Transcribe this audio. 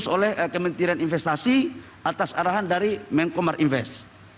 oleh kementerian investasi atas arahan dari mengkomar invest